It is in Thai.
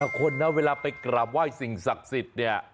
คนนะเวลาไปกราบไหว้สิ่งศักดิ์สิทธิ์เนี่ย